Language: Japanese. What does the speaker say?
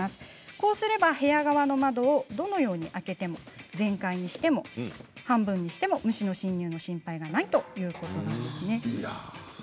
こうすれば部屋側の窓をどのように開けても全開にしても半分にしても虫の侵入の心配がないということなんですね。